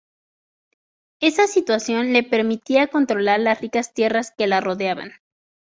Esa situación le permitía controlar las ricas tierras que la rodeaban.